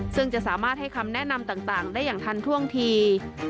ซึ่งจะสามารถให้คำแนะนำต่างได้อย่างทันท่วงที